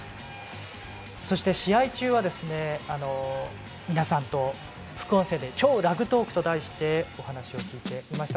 そして、試合中は皆さんと副音声で「超ラグトーク」と題してお話を聞いていました。